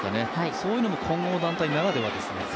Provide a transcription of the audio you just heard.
そういうのも混合団体ならではですね。